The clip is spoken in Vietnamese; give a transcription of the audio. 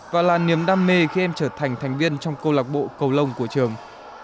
và là niềm đam mê khi em trở thành thành viên trong cô lạc bộ cầu lồng của trường